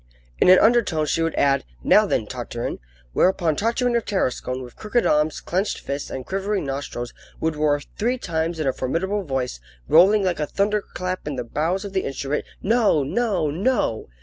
In an undertone she would add: "Now, then, Tartarin!" Whereupon Tartarin of Tarascon, with crooked arms, clenched fists, and quivering nostrils, would roar three times in a formidable voice, rolling like a thunderclap in the bowels of the instrument: "No! no! no!"